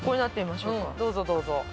どうぞどうぞ。